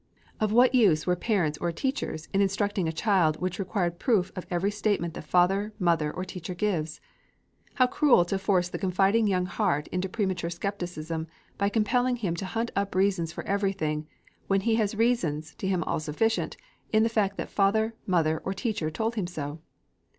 Of what use were parents or teachers, in instructing a child which required proof for every statement that father, mother, or teacher gives? How cruel to force the confiding young heart into premature scepticism, by compelling him to hunt up reasons for everything, when he has reasons, to him all sufficient, in the fact that father, mother, or teacher told him so?